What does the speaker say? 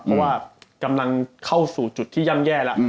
เพราะว่ากำลังเข้าสู่จุดที่ย่ำแย่แล้ว